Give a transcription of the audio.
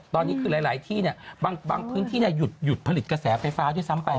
ตอนนี้คือหลายที่บางพื้นที่หยุดผลิตกระแสไฟฟ้าด้วยซ้ำไป